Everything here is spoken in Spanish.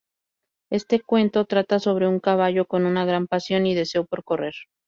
Este cuento trata sobre un caballo con una gran pasión y deseo por correr.